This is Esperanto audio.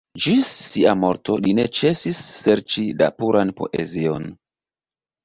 Ĝis sia morto li ne ĉesis serĉi la puran poezion.